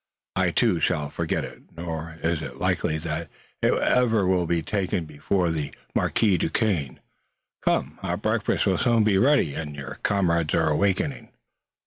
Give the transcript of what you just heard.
I, too, shall forget it. Nor is it likely that it will ever be taken before the Marquis Duquesne. Come, our breakfast will soon be ready and your comrades are awakening."